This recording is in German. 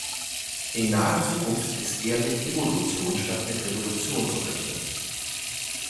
In naher Zukunft ist eher mit Evolution statt mit Revolution zu rechnen.